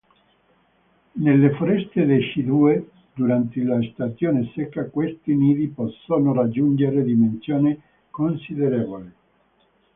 Nelle foreste decidue, durante la stagione secca, questi nidi possono raggiungere dimensioni considerevoli.